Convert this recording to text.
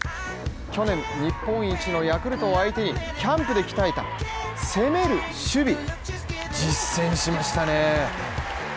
去年日本一のヤクルトを相手にキャンプで鍛えた攻める守備、実践しましたね。